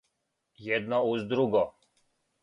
Једно уз друго.